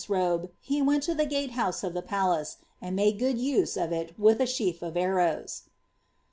Si31 robe, he went to the gate house of the palace, and made good use of it with a sheaf of arrows."